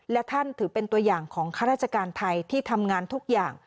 และท่านถือเป็นตัวอย่างของข้าราชการไทยที่ทำงานทุกอย่าง